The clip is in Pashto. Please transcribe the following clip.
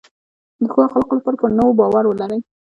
د ښو اخلاقو لپاره پر نورو باور ولرئ.